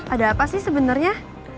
ada apa sih sebenernya